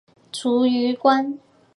卒于官。